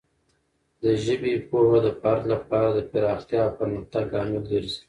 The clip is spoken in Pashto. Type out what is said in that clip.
د ژبې پوهه د فرد لپاره د پراختیا او پرمختګ لامل ګرځي.